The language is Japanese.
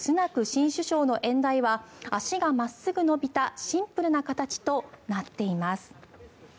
新首相の演台は脚が真っすぐ伸びたシンプルな形となっています。